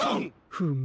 フム？